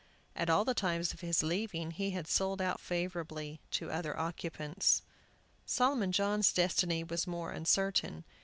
At all the times of his leaving he had sold out favorably to other occupants. Solomon John's destiny was more uncertain.